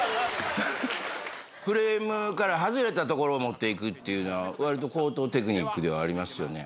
フレームから外れた所を持っていくっていうのはわりと高等テクニックではありますよね。